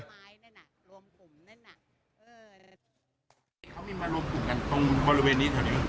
เขามีมารวมกลุ่มกันตรงบริเวณนี้แถวนี้